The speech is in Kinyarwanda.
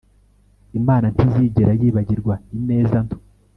Imana ntizigera yibagirwa ineza nto